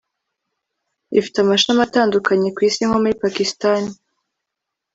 Ifite amashami atandukanye ku isi nko muri Pakistan